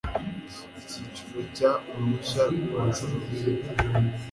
icyiciro cya uruhushya rwo gucuruza